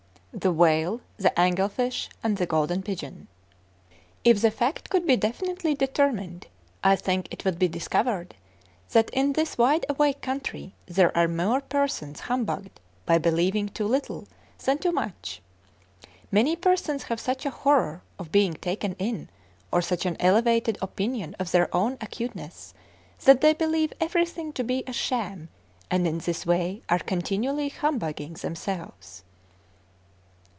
THE WHALE, THE ANGEL FISH, AND THE GOLDEN PIGEON. If the fact could be definitely determined, I think it would be discovered that in this "wide awake" country there are more persons humbugged by believing too little than too much. Many persons have such a horror of being taken in, or such an elevated opinion of their own acuteness, that they believe everything to be a sham, and in this way are continually humbugging themselves.